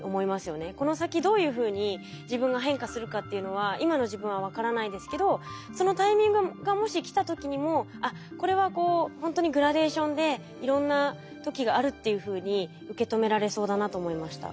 この先どういうふうに自分が変化するかっていうのは今の自分は分からないですけどそのタイミングがもし来た時にもあっこれはこうほんとにグラデーションでいろんな時があるっていうふうに受け止められそうだなと思いました。